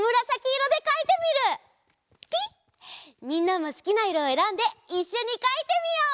みんなもすきないろをえらんでいっしょにかいてみよう！